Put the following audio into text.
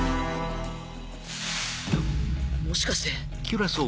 もしかして。